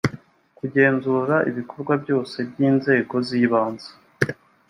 kugenzura ibikorwa byose by’inzegoz’ibanze